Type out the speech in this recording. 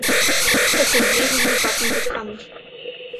Es sind mehrere Wappen bekannt